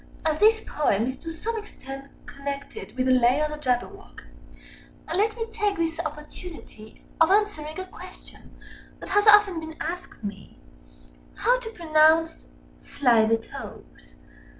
As this poem is to some extent connected with the lay of the Jabberwock, let me take this opportunity of answering a question that has often been asked me, how to pronounce "slithy toves."